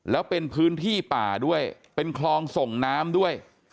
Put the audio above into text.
แล้วเป็นพื้นที่ป่าด้วยเป็นคลองส่งน้ำด้วย